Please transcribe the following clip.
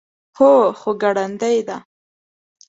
هو، خو ګړندۍ ده